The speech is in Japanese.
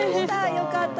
よかった！